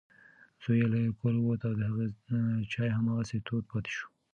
زوی یې له کوره ووت او د هغې چای هماغسې تود پاتې شو.